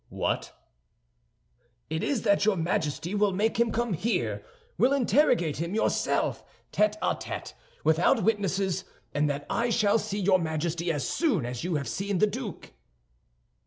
"What?" "It is that your Majesty will make him come here, will interrogate him yourself, tête à tête, without witnesses, and that I shall see your Majesty as soon as you have seen the duke."